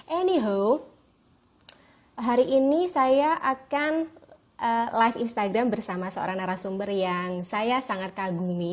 any home hari ini saya akan live instagram bersama seorang narasumber yang saya sangat kagumi